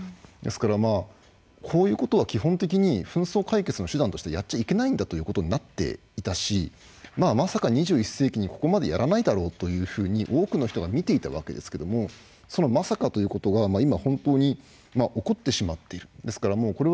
ですから、こういうことは基本的に紛争解決の手段としてやっちゃいけないんだということになっていたしまさか２１世紀にここまでやらないだろうというふうに多くの人がみていたわけですがそのまさかということが今、本当に起こってしまっている。